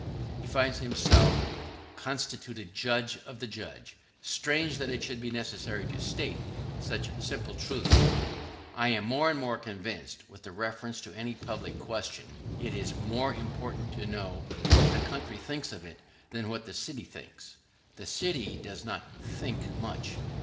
He finds himself constituted judge of the judge. Strange that it should be necessary to state such simple truths! [¶23] I am more and more convinced that, with reference to any public question, it is more important to know what the country thinks of it than what the city thinks. The city does not think much.